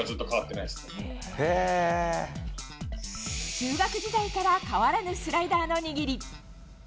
中学時代から変わらぬスライダーの握り。